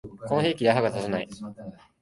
この兵器では歯が立たない